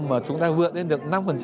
mà chúng ta vượt lên được năm